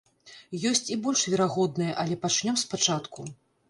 Ёсць і больш верагодная, але пачнём спачатку.